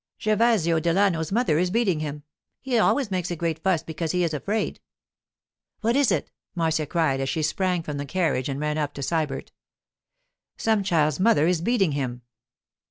'Gervasio Delano's mother is beating him. He always makes a great fuss because he is afraid.' 'What is it?' Marcia cried as she sprang from the carriage and ran up to Sybert. 'Some child's mother is beating him.